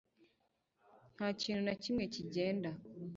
Nta kintu na kimwe kigenda